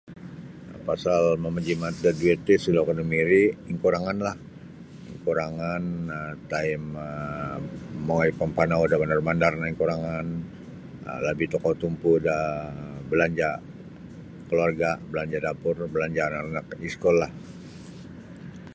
Pasal mamajimat da duit ri suda oku namiri ti kuranganlah kurangan um time um mongoi pempanau da bandar-bandar ingkurangan um labih tokou tumpu da belajar keluarga belanja dapur belanja anak ke iskullah